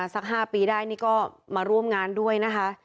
สัก๕ปีได้นี่ก็มาร่วมงานด้วยนะคะ